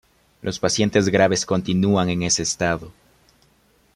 Los pacientes graves continúan en ese estado.